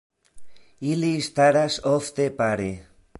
Ili staras ofte pare.